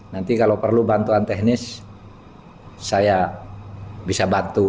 nanti kalau perlu bantuan teknis saya bisa bantu